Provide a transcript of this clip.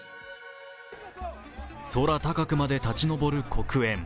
空高くまで立ち上る黒煙。